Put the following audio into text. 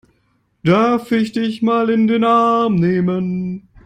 Darf ich dich mal in den Arm nehmen?